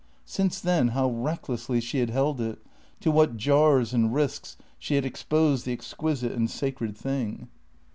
Since then how recklessly she had held it! To what jars and risks she had exposed the exquisite and sacred thing!